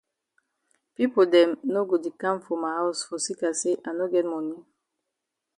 Pipo dem no go di kam for ma haus for seka say I no get moni.